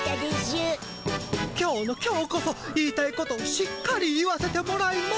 今日の今日こそ言いたいことをしっかり言わせてもらいます。